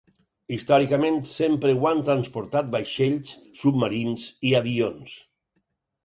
Històricament, sempre ho han transportat vaixells, submarins i avions.